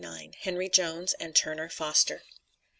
HENRY JONES AND TURNER FOSTER.